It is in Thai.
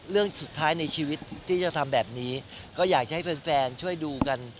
เรื่องสุดท้ายในชีวิตที่จะทำแบบนี้ก็อยากจะให้แฟนช่วยดูกัน